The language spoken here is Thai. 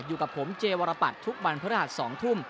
อยู่กับผมเจวรปัตรทุกวันพฤหัส๒ทุ่ม